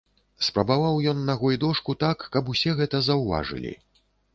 Спрабаваў ён нагой дошку так, каб усе гэта заўважылі.